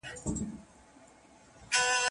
په قرآني قصو کي احکام، لارښووني او پندونه دي.